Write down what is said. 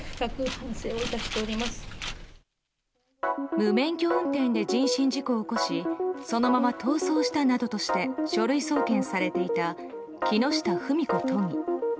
無免許運転で人身事故を起こしそのまま逃走したなどとして書類送検されていた木下富美子都議。